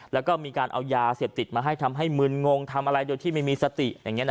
แล้วก็มีการเอายาเสพติดมาให้ทำให้มึนงงทำอะไรโดยที่ไม่มีสติ